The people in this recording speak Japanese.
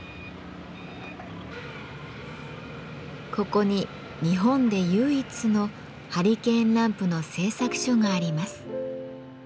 ここに日本で唯一のハリケーンランプの製作所があります。